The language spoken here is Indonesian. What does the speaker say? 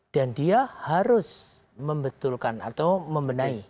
dan dia harus membetulkan atau membenahi